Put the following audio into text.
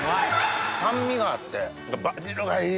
酸味があってバジルがいい！